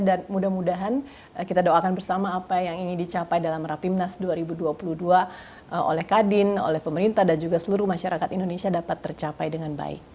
dan mudah mudahan kita doakan bersama apa yang ini dicapai dalam rapimnas dua ribu dua puluh dua oleh kadin oleh pemerintah dan juga seluruh masyarakat indonesia dapat tercapai dengan baik